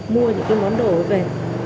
mua những cái món đồ về